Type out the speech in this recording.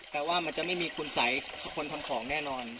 แต่ว่ามันจะไม่มีคุณสัยคนทำของแน่นอน